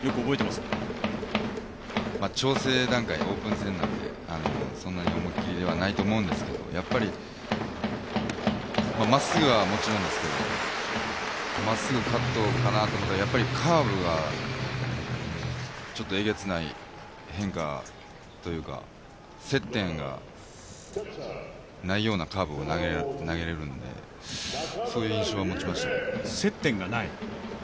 調整段階、オープン戦なんで、そんなに思い切りではないと思うんですけどやっぱりまっすぐはもちろんですけど、まっすぐカットかなと思ったらやっぱりカーブはえげつない変化というか、接点がないようなカーブを投げれるんで、そういう印象は持ちましたけど。